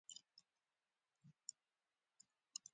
که وينې غواړې ستا غمو خوړلې دينه